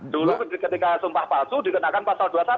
dulu ketika sumpah palsu dikenakan pasal dua puluh satu